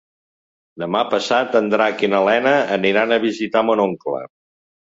Demà passat en Drac i na Lena aniran a visitar mon oncle.